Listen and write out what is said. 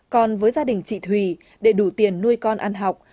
còn với gia đình chị thùy để đủ tiền nuôi con ăn học